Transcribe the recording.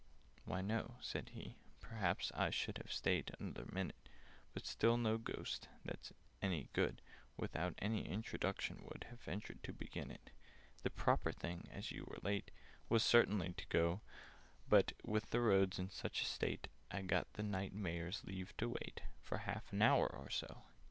"Why, no," said he; "perhaps I should Have stayed another minute— But still no Ghost, that's any good, Without an introduction would Have ventured to begin it. "The proper thing, as you were late, Was certainly to go: But, with the roads in such a state, I got the Knight Mayor's leave to wait For half an hour or so."